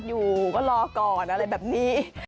อยู่ก็รอก่อนอะไรแบบนี้